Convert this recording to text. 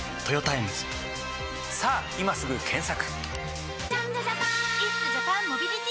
さぁ今すぐ検索！